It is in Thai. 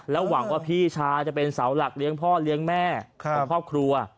หวังว่าพี่ชายจะเป็นเสาหลักเลี้ยงพ่อเลี้ยงแม่ของครอบครัว